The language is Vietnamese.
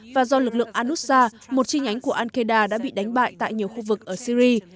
và do lực lượng anussa một chi nhánh của al qaeda đã bị đánh bại tại nhiều khu vực ở syri